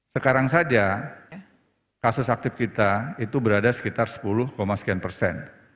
sekarang saja kasus aktif kita itu berada sekitar sepuluh sekian persen